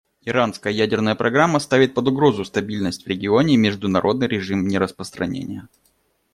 Иранская ядерная программа ставит под угрозу стабильность в регионе и международный режим нераспространения.